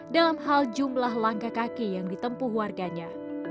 dalam hal jumlah langkah kaki yang ditempuh warganya